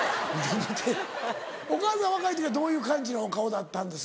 お母さん若い時はどういう感じのお顔だったんですか？